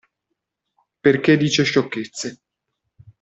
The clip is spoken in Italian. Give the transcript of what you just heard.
Perché dice sciocchezze.